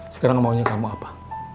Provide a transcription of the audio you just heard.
sekarang maunya kamu apa